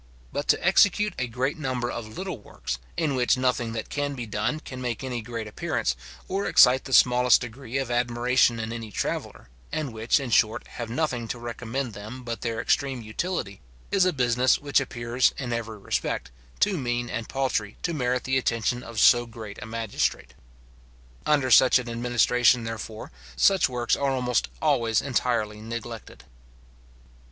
But to execute a great number of little works, in which nothing that can be done can make any great appearance, or excite the smallest degree of admiration in any traveller, and which, in short, have nothing to recommend them but their extreme utility, is a business which appears, in every respect, too mean and paltry to merit the attention of so great a magistrate. Under such an administration therefore, such works are almost always entirely neglected.